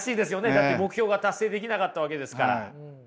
だって目標が達成できなかったわけですから。